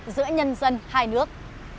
giữa nhân dân hai nước